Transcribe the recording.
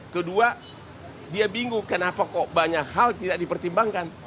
kedua dia bingung kenapa kok banyak hal tidak dipertimbangkan